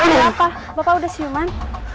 apa bapak udah siuman